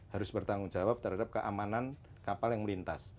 harus bertanggung jawab terhadap keamanan kapal yang melintas